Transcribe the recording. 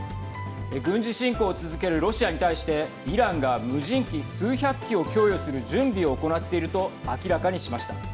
軍事侵攻を続けるロシアに対してイランが無人機、数百機を供与する準備を行っていると明らかにしました。